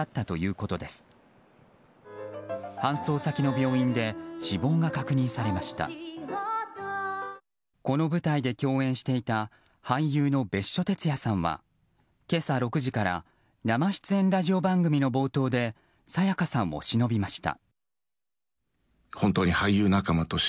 この舞台で共演していた俳優の別所哲也さんは今朝６時から生出演ラジオ番組の冒頭で沙也加さんをしのびました。